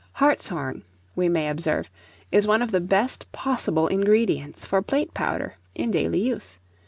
Hartshorn, we may observe, is one of the best possible ingredients for plate powder in daily use.